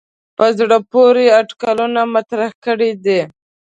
په زړه پورې اټکلونه مطرح کړي دي.